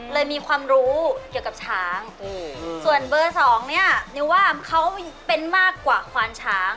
มีความรู้เกี่ยวกับช้างส่วนเบอร์สองเนี่ยนิวว่าเขาเป็นมากกว่าควานช้าง